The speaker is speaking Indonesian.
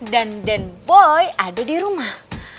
dan dan boy ada di rumah